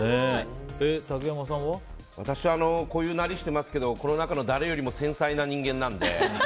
私はこういうなりしてますけどこの中の誰よりも繊細な人間なんで。